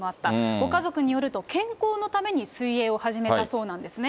ご家族によると、健康のために水泳を始めたそうなんですね。